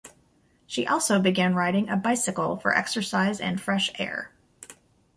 She also began riding a bicycle for exercise and fresh air.